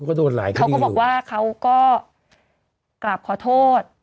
เขาก็บอกว่าเขาก็กลับขอโทษ